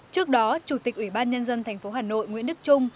trước đó chủ tịch ủy ban nhân dân tp hà nội nguyễn đức trung